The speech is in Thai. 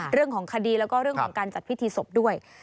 เรื่องของคดีแล้วก็เรื่องของการจัดพิธีศพด้วย